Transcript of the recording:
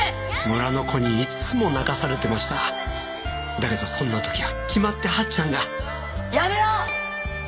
村の子にいつも泣かされてましただけどそんな時は決まって八っちゃんがやめろ！